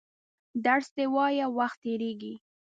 درس دي وایه وخت تېرېږي!